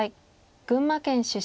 群馬県出身。